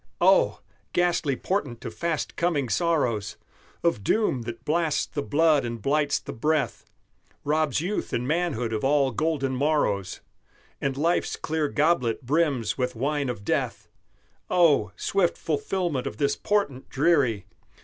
Oh! ghastly portent of fast coming sorrows! Of doom that blasts the blood and blights the breath, Robs youth and manhood of all golden morrows And life's clear goblet brims with wine of death! Oh! swift fulfilment of this portent dreary!